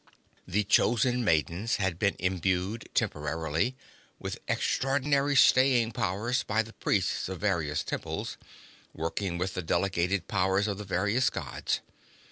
The Chosen Maidens had been imbued, temporarily, with extraordinary staying powers by the Priests of the various temples, working with the delegated powers of the various Gods.